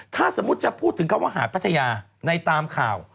ถ้าสมมุติจะพูดถึงคำว่าหาดพัทยาในตามข่าว